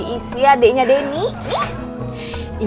gapapa lagi isi adeknya denny